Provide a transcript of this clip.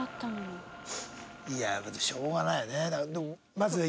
いやしょうがないよね。